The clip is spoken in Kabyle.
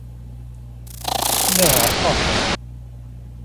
Lliɣ ɣerrqeɣ.